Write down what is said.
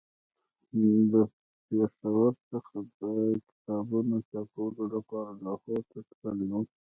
له پېښور څخه د کتابونو چاپولو لپاره لاهور ته تللی وم.